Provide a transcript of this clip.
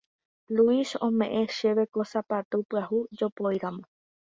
Luis ome'ẽ chéve ko sapatu pyahu jopóiramo.